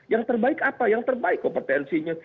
yang terbaik apa yang terbaik kompetensinya